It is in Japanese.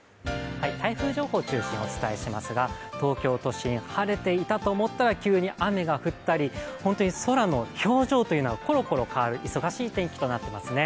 台風情報を中心にお伝えしますが、東京都心、晴れていたと思ったら急に雨が降ったり、本当に空の表情というのがころころ変わる、忙しい天気となっていますね。